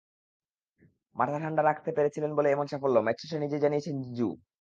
মাথাটা ঠান্ডা রাখতে পেরেছিলেন বলেই এমন সাফল্য—ম্যাচ শেষে নিজেই জানিয়েছেন জিজু।